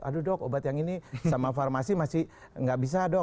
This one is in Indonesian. aduh dok obat yang ini sama farmasi masih nggak bisa dok